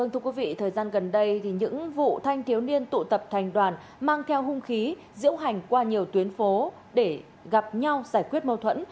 thưa quý vị thời gian gần đây những vụ thanh thiếu niên tụ tập thành đoàn mang theo hung khí diễu hành qua nhiều tuyến phố để gặp nhau giải quyết mâu thuẫn